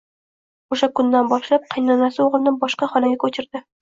O`sha kundan boshlab qaynonasi o`g`lini boshqa xonaga ko`chirdi